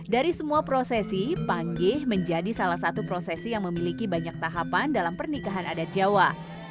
dari semua prosesi pangeh menjadi salah satu prosesi yang memiliki banyak tahapan dalam pernikahan adat jawa